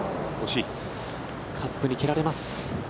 カップに蹴られます。